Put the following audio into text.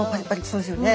そうですよね。